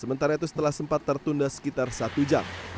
sementara itu setelah sempat tertunda sekitar satu jam